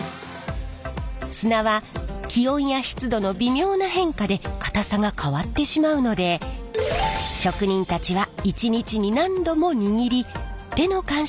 砂は気温や湿度の微妙な変化でかたさが変わってしまうので職人たちは１日に何度も握り手の感触で水分量を確かめるんです。